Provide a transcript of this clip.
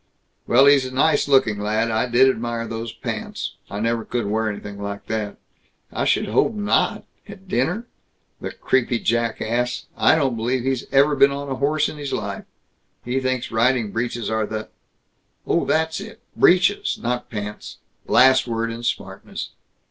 "Well, he's a nice looking lad. I did admire those pants. I never could wear anything like that." "I should hope not at dinner! The creepy jack ass, I don't believe he's ever been on a horse in his life! He thinks riding breeches are the " "Oh, that's it. Breeches, not pants." " last word in smartness.